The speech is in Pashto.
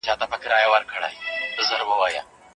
رانجه د ښځو لپاره ځانګړې مانا لري.